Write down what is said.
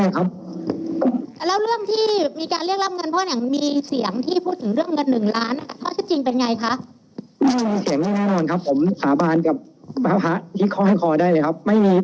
ข้อเสียงแน่ธรรมด่พี่ผมสาบานกับบ๊าพระที่ข้อใจได้เลยครับ